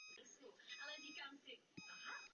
Na dolním toku pokračuje bažinatou rovinou.